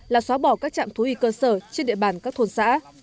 là xóa bỏ các trạm thú y cơ sở trên địa bàn các thôn xã